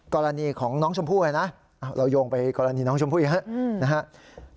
กรณีของน้องชมพู่เลยนะเราโยงไปกรณีน้องชมพู่อีกครับ